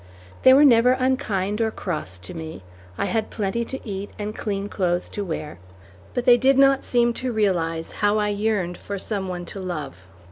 They were never unkind or cross to me. I had plenty to eat, and clean clothes to wear, but they did not seem to realize how I yearned for some one to love.